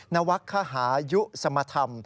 นวัคคหายุสมธรรม